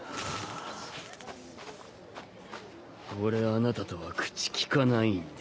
あなたとは口利かないんで。